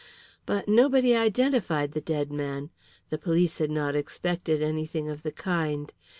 But nobody identified the dead man; the police had not expected anything of the kind.